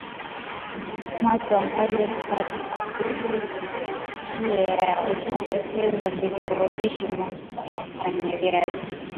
moto mkali kupikia utapoteza virutubishi muhimu kwenye viazi